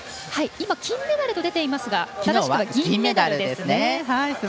金メダルと出ていますが正しくは銀メダルですね。